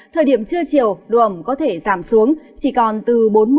thời điểm trưa chiều đùa ẩm có thể giảm xuống chỉ còn từ bốn mươi năm mươi